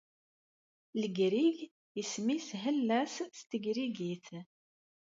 Legrig isem-nnes Hellas s tegrigit.